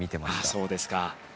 そうですか。